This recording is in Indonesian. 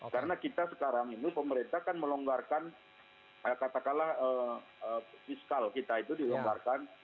karena kita sekarang ini pemerintah kan melonggarkan katakanlah fiskal kita itu dilonggarkan